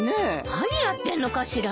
何やってんのかしら。